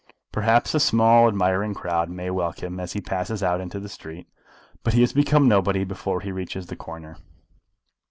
Perhaps a small admiring crowd may welcome him as he passes out into the street, but he has become nobody before he reaches the corner.